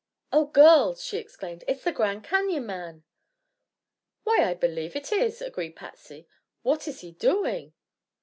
"Oh, girls!" she exclaimed; "it's the Grand Canyon man." "Why, I believe it is," agreed Patsy. "What is he doing?"